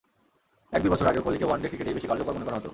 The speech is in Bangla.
এক-দুই বছর আগেও কোহলিকে ওয়ানডে ক্রিকেটেই বেশি কার্যকর মনে করা হতো।